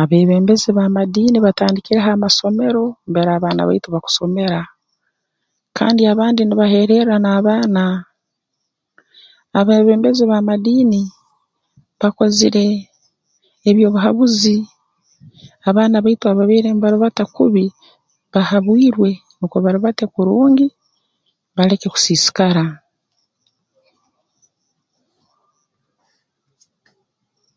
Abeebembezi b'amadiini batandikireho amasomero mbere abaana baitu bakusomera kandi abandi nibaheererra n'abaana abeebembezi b'amadiini bakozere eby'obuhabuzi abaana baitu ababaire mbarubata kubi bahabwirwe nukwo barubate kurungi baleke kusiisikara